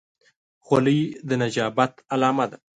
خولۍ د نجابت علامه ده.